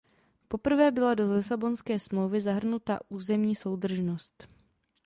Poprvé byla do Lisabonské smlouvy zahrnuta územní soudržnost.